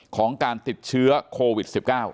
ของการติดเชื้อโควิด๑๙